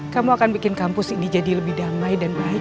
kamu akan bikin kampus ini jadi lebih damai dan baik